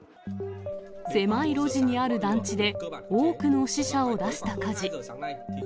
狭い路地にある団地で、多くの死者を出した火事。